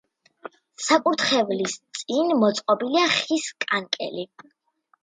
საკურთხევლის წინ მოწყობილია ხის კანკელი.